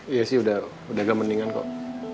iya sih udah agak mendingan kok